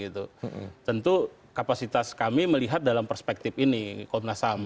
tentu kapasitas kami melihat dalam perspektif ini komnas ham